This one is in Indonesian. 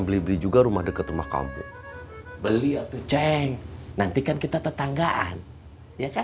beli beli juga rumah deket rumah kamu beli atau ceng nanti kan kita tetanggaan ya kan